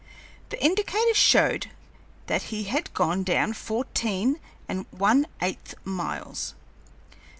The indicator showed that he had gone down fourteen and one eighth miles.